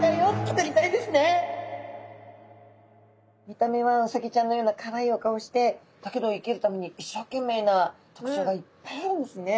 見た目はウサギちゃんのようなかわいいお顔をしてだけど生きるために一生懸命な特徴がいっぱいあるんですね。